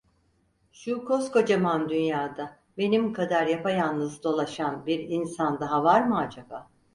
Şu koskocaman dünyada benim kadar yapayalnız dolaşan bir insan daha var mı acaba?